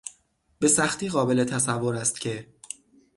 به سختی قابل تصور است که...